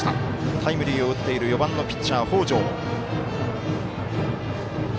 タイムリーを打っている４番のピッチャー、北條。